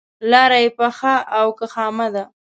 لاره یې پخه او که خامه ده.